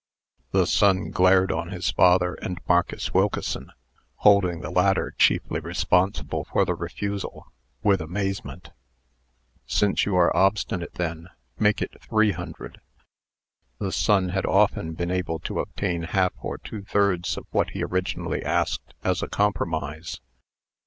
The son glared on his father and Marcus Wilkeson (holding the latter chiefly responsible for the refusal) with amazement. "Since you are obstinate, then, make it three hundred." The son had often been able to obtain half or two thirds of what he originally asked, as a compromise.